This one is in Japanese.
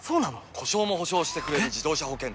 故障も補償してくれる自動車保険といえば？